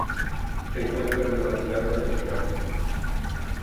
Se encuentra en Nueva Zelanda y Australia.